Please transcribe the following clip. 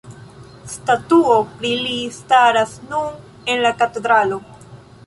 Statuo pri li staras nun en la katedralo.